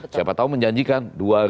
siapa tahu menjanjikan